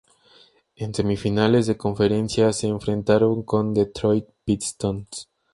En Semifinales de Conferencia se enfrentaron con Detroit Pistons.